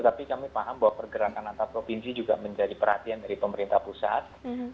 tapi kami paham bahwa pergerakan antar provinsi juga menjadi perhatian dari pemerintah pusat